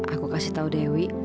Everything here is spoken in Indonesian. aku kasih tau dewi